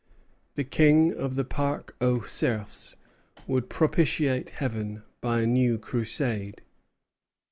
The King of the Parc aux Cerfs would propitiate Heaven by a new crusade.